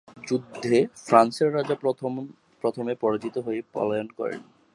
যুদ্ধে ফ্রান্সের রাজা প্রথমে পরাজিত হয়ে পলায়ন করে।